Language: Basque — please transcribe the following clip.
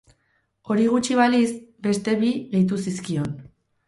Hori gutxi balitz, beste bi gehitu zizkion.